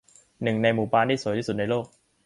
หนึ่งในหมู่บ้านที่สวยที่สุดในโลก